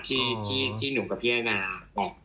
ที่หนุ่มกับพี่แอนนาบอก